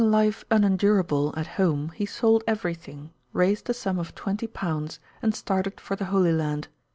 185] life unendurable at home, he sold everything; raised the sum of twenty pounds, and started for the Holy Land.